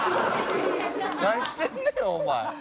何してんねんお前。